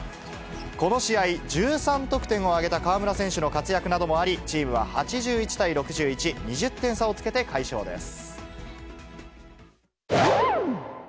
この試合、１３得点を挙げた河村選手の活躍などもあり、チームは８１対６１、２０点差をつけて快勝です。